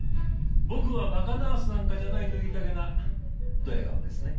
僕は馬鹿ナースなんかじゃないと言いたげなドヤ顔ですね。